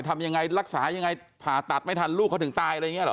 ทำยังไงรักษายังไงผ่าตัดไม่ทันลูกเขาถึงตายอะไรอย่างนี้หรอ